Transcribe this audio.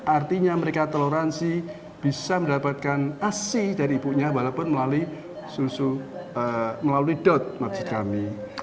artinya mereka toleransi bisa mendapatkan asli dari ibunya walaupun melalui dot maksit kami